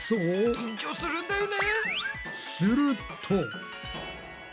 緊張するんだよね。